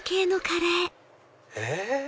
えっ？